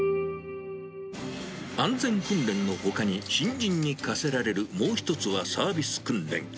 安全訓練のほかに、新人に課せられるもう１つは、サービス訓練。